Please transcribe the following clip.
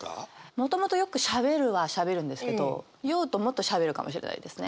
もともとよくしゃべるはしゃべるんですけど酔うともっとしゃべるかもしれないですね。